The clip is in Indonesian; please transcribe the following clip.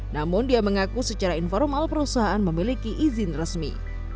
namun dia mengaku secara informal perusahaan memiliki izin resmi